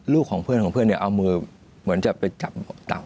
ลูกของเพื่อนเอามือเหมือนจะไปจับเต่า